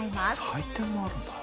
採点もあるんだ。